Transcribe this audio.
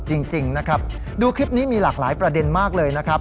จริงนะครับดูคลิปนี้มีหลากหลายประเด็นมากเลยนะครับ